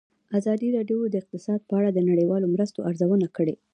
ازادي راډیو د اقتصاد په اړه د نړیوالو مرستو ارزونه کړې.